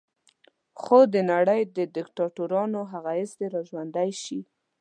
خو د نړۍ د دیکتاتورانو هغه حس دې را ژوندی شي.